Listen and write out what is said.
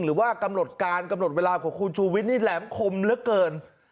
หรือว่ากำหนดการกำหนดเวลาของคุณชูวิทย์นี่แหลมคมเหลือเกิน